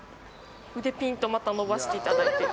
腕ピーンとまた伸ばして頂いて。